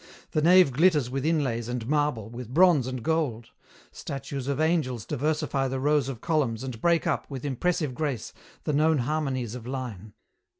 The nave glitters with inlays and marble, with bronze and gold. Statues of angels diversify the rows of columns and break up, with impressive grace, the known harmonies of line.